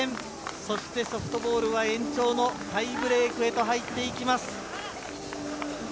そして、ソフトボールは延長のタイブレークへと入っていきます。